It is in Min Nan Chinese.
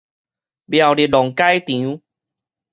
苗栗農改場